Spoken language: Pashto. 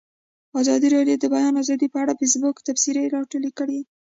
ازادي راډیو د د بیان آزادي په اړه د فیسبوک تبصرې راټولې کړي.